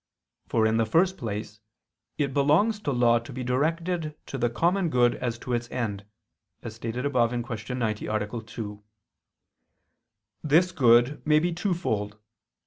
For, in the first place, it belongs to law to be directed to the common good as to its end, as stated above (Q. 90, A. 2). This good may be twofold.